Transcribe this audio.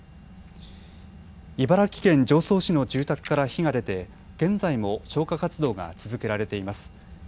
茨城県常総市の住宅から火が出て現在も消火活動が続けられています。